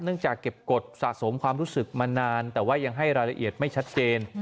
จากเก็บกฎสะสมความรู้สึกมานานแต่ว่ายังให้รายละเอียดไม่ชัดเจน